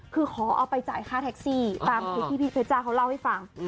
คือขอเอาไปจ่ายค่าแท็กซี่ตามคลิปที่พี่เพชจ้าเขาเล่าให้ฟัง